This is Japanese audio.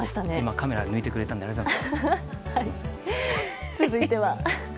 カメラ、抜いてくれてありがとうございます。